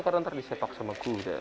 karena nanti disepak sama kuda